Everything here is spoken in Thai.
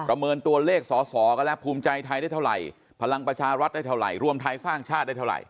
เมินตัวเลขสอสอกันแล้วภูมิใจไทยได้เท่าไหร่พลังประชารัฐได้เท่าไหร่รวมไทยสร้างชาติได้เท่าไหร